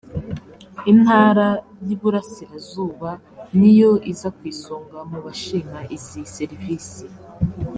intara y iburasirazuba niyo iza ku isonga mu bashima izi serivisi